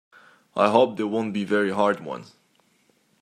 I hope they won't be very hard ones.